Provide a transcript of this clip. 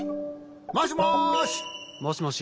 もしもし。